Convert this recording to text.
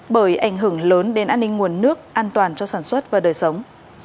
bởi ảnh hưởng lớn đến an ninh nguồn nước an toàn cho sản xuất và đời sống